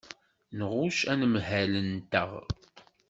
Nɣucc anemhal-nteɣ.